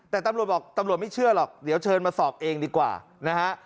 แต่ตำรวจบอกตำรวจไม่เชื่อหรอกเดี๋ยวเชิญมาสอบเองดีกว่านะฮะ